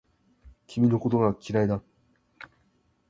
君のことが嫌いだ